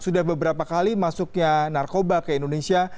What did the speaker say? sudah beberapa kali masuknya narkoba ke indonesia